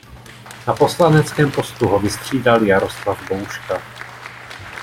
Na poslaneckém postu ho vystřídal Jaroslav Bouška.